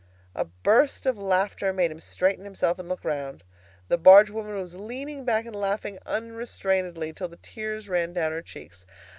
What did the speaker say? A burst of laughter made him straighten himself and look round. The barge woman was leaning back and laughing unrestrainedly, till the tears ran down her cheeks.